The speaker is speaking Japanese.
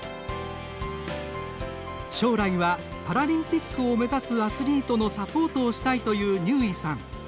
将来はパラリンピックを目指すアスリートのサポートをしたいという乳井さん。